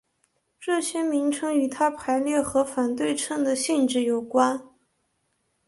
这些名称与它排列和反对称的性质有关。